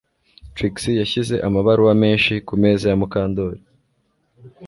Trix yashyize amabaruwa menshi kumeza ya Mukandoli